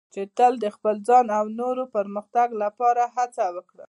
چې تل د خپل ځان او نورو پرمختګ لپاره هڅه وکړه.